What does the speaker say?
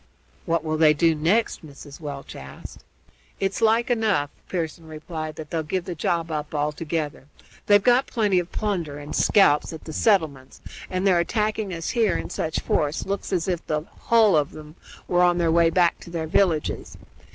"What will they do next?" Mrs. Welch asked. "It's like enough," Pearson replied, "that they'll give the job up altogether. They've got plenty of plunder and scalps at the settlements, and their attacking us here in such force looks as if the hull of 'em were on their way back to their villages.